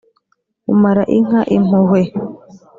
umara inka impuhwe,